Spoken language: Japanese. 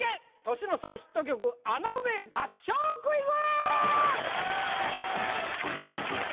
年の差ヒット曲穴埋め合唱クイズ